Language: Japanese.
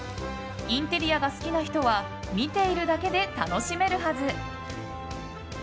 インテリアが好きな人は見ているだけで楽しめるはず。